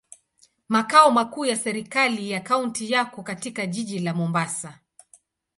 Makao makuu ya serikali ya kaunti yako katika jiji la Mombasa.